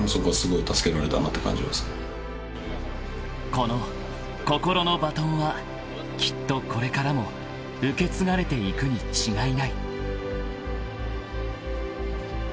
［この心のバトンはきっとこれからも受け継がれていくに違いない］